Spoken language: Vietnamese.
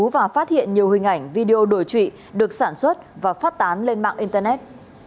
và phát hiện nhiều hình ảnh video đổi trụy được sản xuất và phát tán lên mạng internet